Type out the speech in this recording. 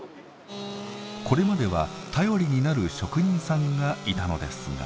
これまでは頼りになる職人さんがいたのですが。